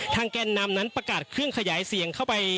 แกนนำนั้นประกาศเครื่องขยายเสียงเข้าไป